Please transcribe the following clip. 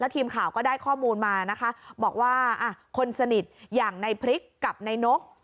ทีมข่าวก็ได้ข้อมูลมานะคะบอกว่าคนสนิทอย่างในพริกกับนายนก